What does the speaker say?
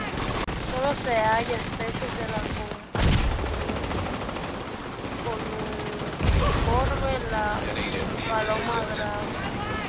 Solo se halla una única especie de columbiforme; la paloma bravía.